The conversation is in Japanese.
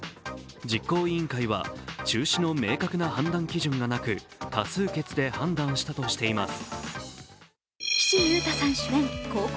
実行委員会は中止の明確な判断基準がなく多数決で判断したとしています。